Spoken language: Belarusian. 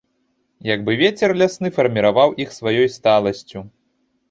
Як бы вецер лясны фарміраваў іх сваёй сталасцю.